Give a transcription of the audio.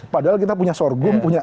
padahal kita punya sorghum punya